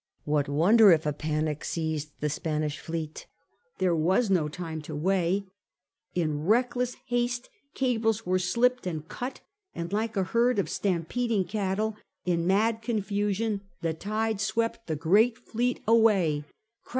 What wonder if a panic seized the Spanish fleet ? There was no time to weigh. In reckless haste cables were slipped and cut^ and like a herd of stampeding cattle, in mad confusion the tide swept the ^ See a MS.